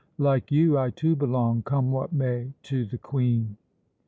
Like you, I too belong come what may to the Queen."